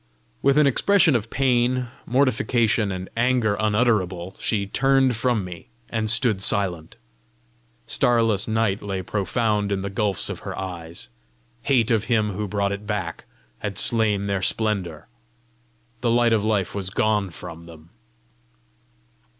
With an expression of pain, mortification, and anger unutterable, she turned from me and stood silent. Starless night lay profound in the gulfs of her eyes: hate of him who brought it back had slain their splendour. The light of life was gone from them.